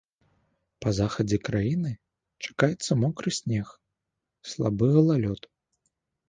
Па захадзе краіны чакаецца мокры снег, слабы галалёд.